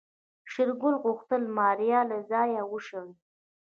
شېرګل غوښتل ماريا له ځايه وشړي.